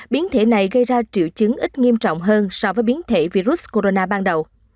biến thể này gây ra triệu chứng ít nghiêm trọng hơn so với biến thể virus corona ban đầu